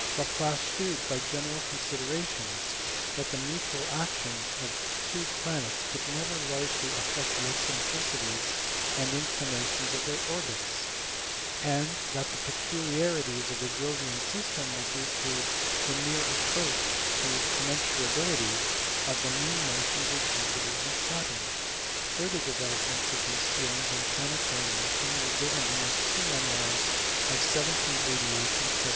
Laplace shewed by general considerations that the mutual action of two planets could never largely affect the eccentricities and in clinations of their orbits; and that the peculiarities of the Jovian system were due to the near approach to commen surability of the mean motions of Jupiter and Saturn : further developments of these theorems on planetary motion were given in his two memoirs of 1788 and 1789.